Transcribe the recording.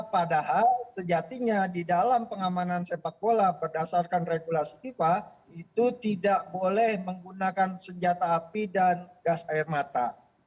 padahal sejatinya di dalam pengamanan sepak bola berdasarkan regulasi fifa itu tidak boleh menggunakan senjata api dan gas air mata